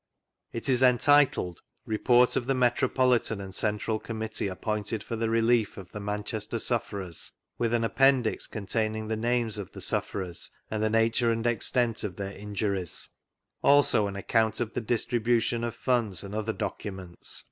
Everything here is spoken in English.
It is entitled: " Report of the Met ropolitan and Central Committee appointed for the Relief of the Manchester Sufferers, with an Appendix containing the names of the sufferers and the nature and extent of their injuries; also an account of the distribution of funds, and other documents.